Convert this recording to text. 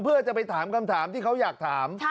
เพื่อจะไปถามคำถามที่เขาอยากถาม